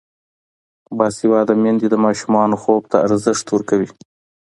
باسواده میندې د ماشومانو خوب ته ارزښت ورکوي.